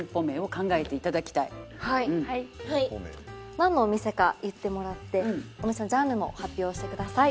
なんのお店か言ってもらってお店のジャンルも発表してください。